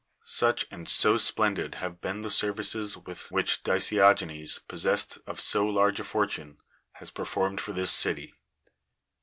Such and so splendid have been the services which Dicffiogenes, possessed of so large a for tune, has performed for the city.